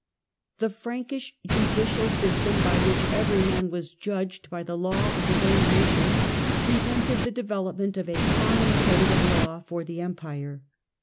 The Frankish judicial system, by which every man was judged by the law of his own nation, prevented the development of a common code of law for the Empire.